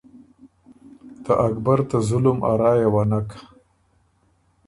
ته اکبر ته ظلم ا رایه وه نک۔